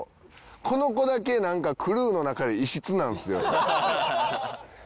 この子だけなんかクルーの中で異質なんですよ。